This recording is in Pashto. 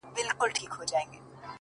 • چي ایرې کېمیا کوي هغه اکسیر یم,